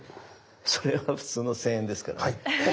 それは普通の千円ですから。